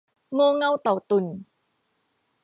โง่เง่าเต่าตุ่น